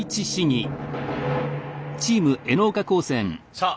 さあ